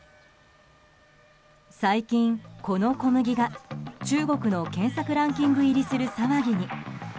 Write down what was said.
最近、この小麦が中国の検索ランキング入りする騒ぎに。